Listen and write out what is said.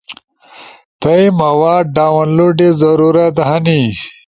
تھئی مواد ڈاونلوڈے ضرورت ہنی؟